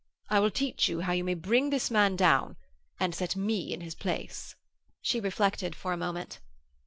I will teach you how you may bring this man down and set me in his place.' She reflected for a moment.